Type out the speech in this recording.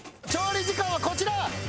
調理時間はこちら！